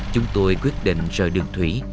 chúng tôi quyết định rời đường thủy